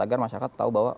agar masyarakat tahu bahwa